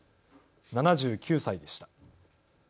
７９歳でした。